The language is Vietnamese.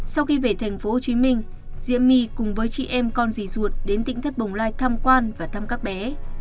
sau khi về thành phố hồ chí minh diễm my cùng với chị em con dì ruột đến tỉnh thất bồng lai thăm quan và thăm các bé